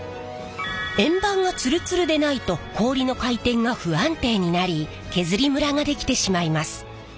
円盤がツルツルでないと氷の回転が不安定になり削りムラができてしまいます。